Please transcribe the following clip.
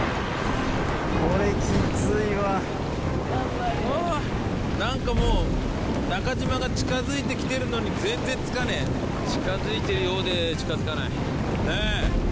これきっついわ頑張れうわ何かもう中島が近づいてきてるのに全然着かねえ近づいてるようで近づかないねえ